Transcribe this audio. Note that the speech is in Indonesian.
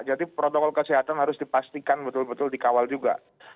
jadi protokol kesehatan harus dipastikan betul betul dikawal juga